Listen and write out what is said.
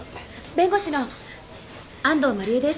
弁護士の安藤麻理恵です。